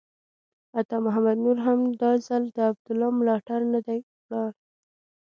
عطا محمد نور هم دا ځل د عبدالله ملاتړ ته نه دی ولاړ.